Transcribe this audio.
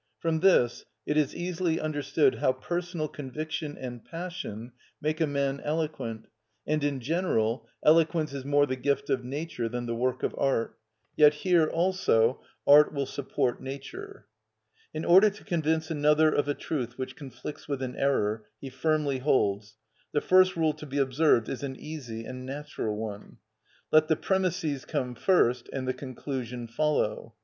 From this it is easily understood how personal conviction and passion make a man eloquent; and in general, eloquence is more the gift of nature than the work of art; yet here, also, art will support nature. In order to convince another of a truth which conflicts with an error he firmly holds, the first rule to be observed, is an easy and natural one: let the premisses come first, and the conclusion follow.